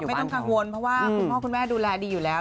ไม่ต้องกังวลเพราะว่าคุณพ่อคุณแม่ดูแลดีอยู่แล้ว